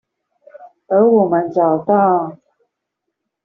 而我們找到